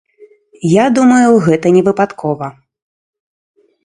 Я думаю, гэта не выпадкова.